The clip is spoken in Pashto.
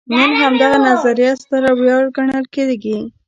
نن همدغه نظریه ستره ویاړ ګڼل کېږي.